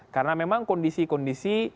karena memang kondisi kondisi